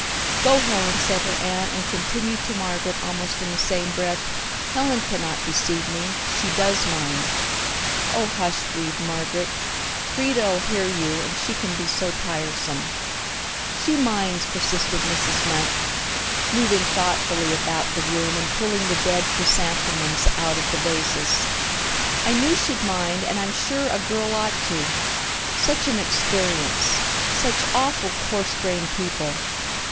"Go, Helen," said her aunt; and continued to Margaret almost in the same breath: "Helen cannot deceive me, She does mind." "Oh, hush!" breathed Margaret. "Frieda'll hear you, and she can be so tiresome." "She minds," persisted Mrs. Munt, moving thoughtfully about the room, and pulling the dead chrysanthemums out of the vases. "I knew she'd mind and I'm sure a girl ought to! Such an experience! Such awful coarse grained people!